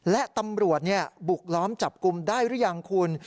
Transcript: และตำรวจบุกล้อมจับกลุ่มได้หรือยังคุณ